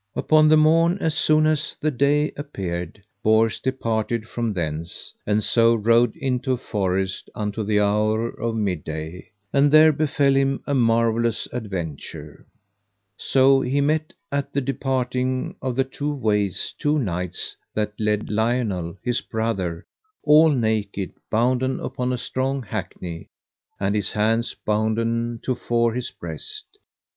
Upon the morn, as soon as the day appeared, Bors departed from thence, and so rode into a forest unto the hour of midday, and there befell him a marvellous adventure. So he met at the departing of the two ways two knights that led Lionel, his brother, all naked, bounden upon a strong hackney, and his hands bounden to fore his breast.